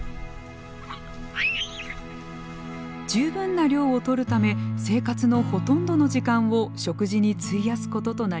十分な量をとるため生活のほとんどの時間を食事に費やすこととなります。